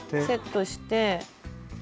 セットして。